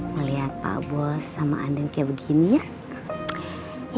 ngeliat pak bos sama anden kayak begini ya